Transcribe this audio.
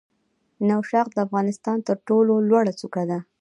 نوشاخ د افغانستان تر ټولو لوړه څوکه ده.